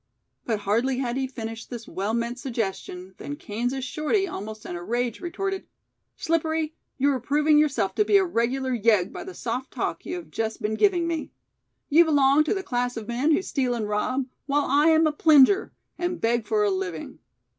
But hardly had he finished this well meant suggestion, than Kansas Shorty almost in a rage retorted: "Slippery, you are proving yourself to be a regular yegg by the soft talk you have just been giving me. You belong to the class of men who steal and rob, while I am a "plinger", and beg for a living.